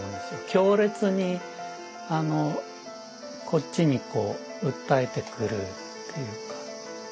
強烈にこっちに訴えてくるっていうか。